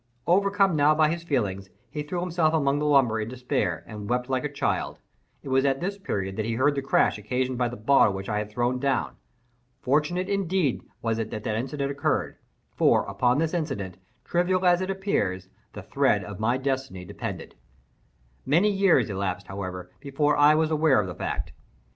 Overcome now by his feelings, he threw himself among the lumber in despair, and wept like a child. It was at this period that he heard the crash occasioned by the bottle which I had thrown down. Fortunate, indeed, was it that the incident occurred—for, upon this incident, trivial as it appears, the thread of my destiny depended. Many years elapsed, however, before I was aware of this fact.